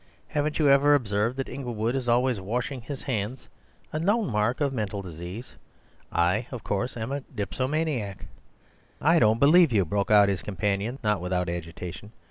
Haven't you ever observed that Inglewood is always washing his hands— a known mark of mental disease? I, of course, am a dipsomaniac." "I don't believe you," broke out his companion, not without agitation.